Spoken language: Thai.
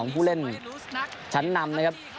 ผู้เล่นชั้นนำนะครับ